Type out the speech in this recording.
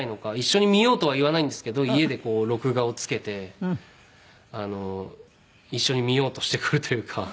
一緒に見ようとは言わないんですけど家でこう録画をつけて一緒に見ようとしてくるというか。